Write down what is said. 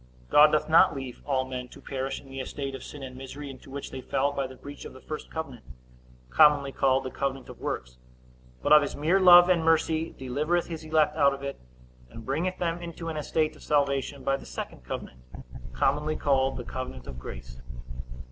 God doth not leave all men to perish in the estate of sin and misery, into which they fell by the breach of the first covenant, commonly called the covenant of works; but of his mere love and mercy delivereth his elect out of it, and bringeth them into an estate of salvation by the second covenant, commonly called the covenant of grace.